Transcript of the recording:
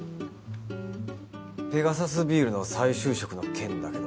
ペガサスビールの再就職の件だけど。